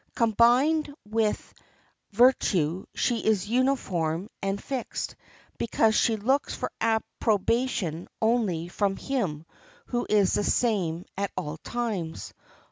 Combined with virtue she is uniform and fixed, because she looks for approbation only from Him who is the same at all times.